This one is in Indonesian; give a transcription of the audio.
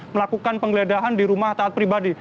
melakukan penggeledahan di rumah taat pribadi